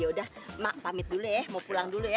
yaudah mak pamit dulu ya mau pulang dulu ya